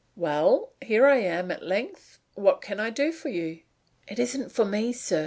"Well, here I am, at length. What can I do for you?" "It isn't for me, sir.